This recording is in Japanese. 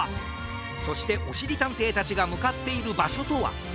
そしておしりたんていたちがむかっているばしょとは？